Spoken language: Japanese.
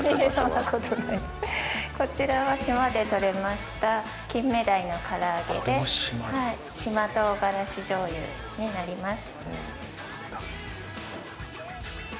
こちらは、島で取れましたキンメダイの唐揚げで島とうがらし醤油になります。